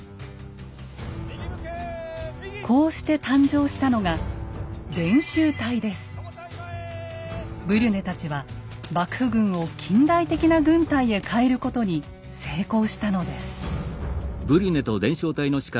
こうして誕生したのがブリュネたちは幕府軍を近代的な軍隊へ変えることに成功したのです。